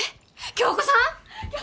響子さん